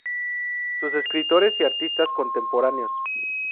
Sus escritores y artistas contemporáneos.